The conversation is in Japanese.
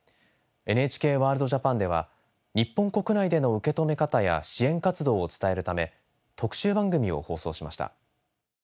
「ＮＨＫＷＯＲＬＤＪＡＰＡＮ」では日本国内での受け止め方や支援活動を伝えるため特集番組を放送しました。